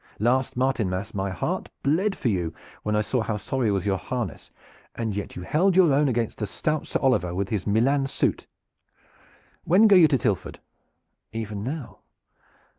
Last Martinmas my heart bled for you when I saw how sorry was your harness, and yet you held your own against the stout Sir Oliver with his Milan suit: When go you to Tilford?" "Even now."